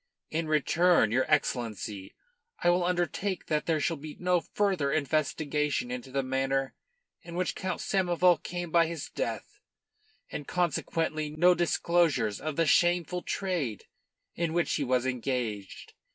In return, your Excellency, I will undertake that there shall be no further investigation into the manner in which Count Samoval came by his death, and consequently, no disclosures of the shameful trade in which he was engaged.